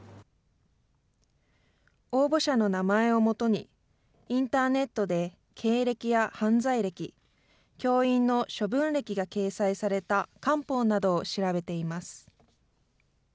応募者の名前をもとに、インターネットで経歴や犯罪歴、教員の処分歴が掲載された官報などを調べています。